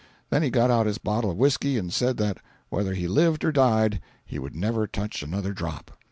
Then he got out his bottle of whisky and said that whether he lived or died he would never touch another drop.